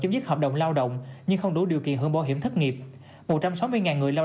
chấm dứt hợp đồng lao động nhưng không đủ điều kiện hưởng bảo hiểm thất nghiệp một trăm sáu mươi người lao